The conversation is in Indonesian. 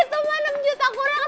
pak itu mah enam juta kurang satu pak